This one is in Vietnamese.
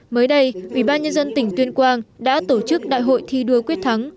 mới đây ủy ban nhân dân tỉnh tuyên quang đã tổ chức đại hội thi đua quyết thắng